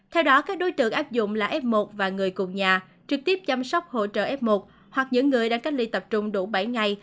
theo đó các đối tượng áp dụng là f một và người cùng nhà trực tiếp chăm sóc hỗ trợ f một hoặc những người đang cách ly tập trung đủ bảy ngày